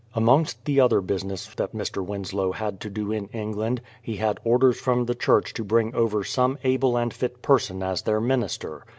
Amongst the other business that Mr. Winslow had to do in England, he had orders from the church to bring over some able and fit person as their minister.